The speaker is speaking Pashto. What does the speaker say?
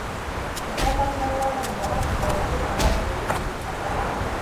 شفافه کړنلاره د باور د پیاوړتیا سبب ګرځي.